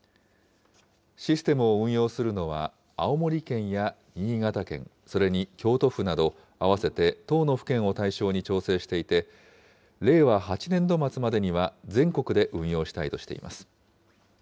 システムを運用するのは、青森県や新潟県、それに京都府など、合わせて１０の府県を対象に調整していて、令和８年度末までには全国で運用したいとしています。